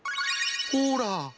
ほら。